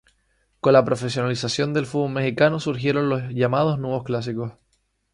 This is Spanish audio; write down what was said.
Con la profesionalización del fútbol mexicano surgieron los llamados nuevos clásicos.